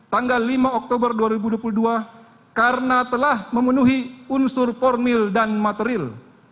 tanggal lima oktober dua ribu dua puluh dua karena telah memenuhi unsur formil dan material